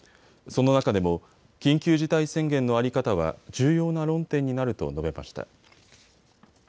その中でも緊急事態宣言の在り方は重要な論点になると述べました。